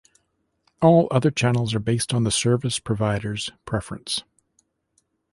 All other channels are based on the service providers preference.